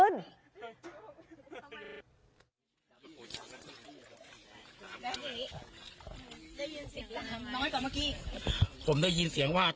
แล้วได้ยินเสียงระคังน้อยกว่าเมื่อกี้ผมได้ยินเสียงว่า